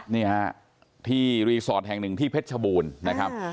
นี่ฮะที่รีสอร์ทแห่งหนึ่งที่เพชรชบูรณ์นะครับ